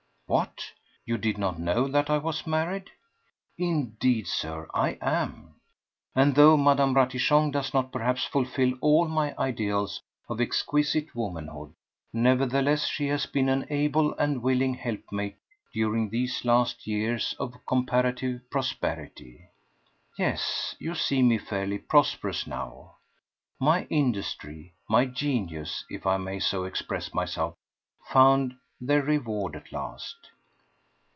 What? You did not know that I was married? Indeed, Sir, I am. And though Madame Ratichon does not perhaps fulfil all my ideals of exquisite womanhood, nevertheless she has been an able and willing helpmate during these last years of comparative prosperity. Yes, you see me fairly prosperous now. My industry, my genius—if I may so express myself—found their reward at last.